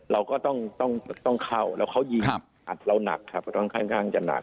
เราก็ต้องเข้าแล้วเขายิงอัดเราหนักครับค่อนข้างจะหนัก